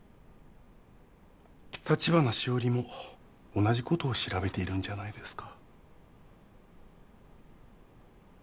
橘しおりも同じことを調べているんじゃないですか？